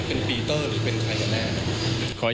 เป็นปีเตอร์หรือเป็นใครกันแน่